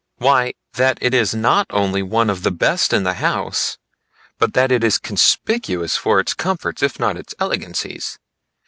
Why that it is not only one of the best in the house, but that it is conspicuous for its comforts if not for its elegancies.